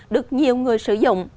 được nhiều người sử dụng